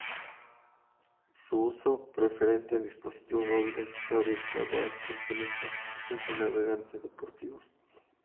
Su uso preferente en dispositivos móviles está orientado a excursionistas, ciclistas y navegantes deportivos.